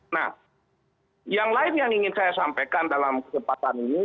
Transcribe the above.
nah yang lain yang ingin saya sampaikan dalam kesempatan ini